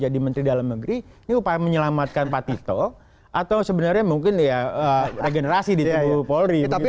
menteri dalam negeri ini upaya menyelamatkan pak tito atau sebenarnya mungkin ya regenerasi di tubuh polri